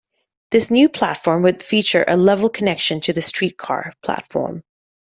This new platform would feature a level connection to the streetcar platform.